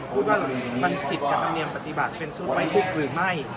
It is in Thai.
พูดว่ามันผิดกับธรรมเนียมปฏิบัติเป็นสมัยยุคหรือไม่